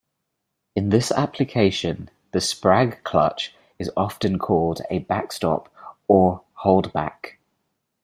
In this application the sprag clutch is often called a "backstop" or "holdback".